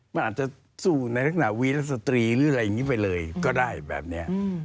มันอาจจะสู้ในลักษณะวีรสตรีหรืออะไรอย่างนี้ไปเลยก็ได้แบบนี้